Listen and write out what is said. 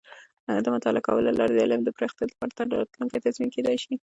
د مطالعه کولو له لارې د علم د پراختیا لپاره راتلونکې تضمین کیدی شي.